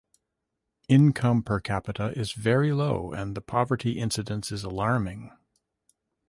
Income per capita is very low and the poverty incidence is alarming.